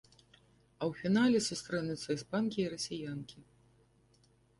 А ў фінале сустрэнуцца іспанкі і расіянкі.